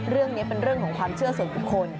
เรื่องนี้เป็นเรื่องของความเชื่อส่วนบุคคล